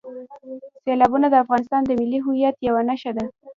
سیلابونه د افغانستان د ملي هویت یوه نښه ده.